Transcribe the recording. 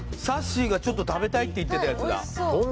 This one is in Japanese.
さっしーがちょっと食べたいって言ってたやつだ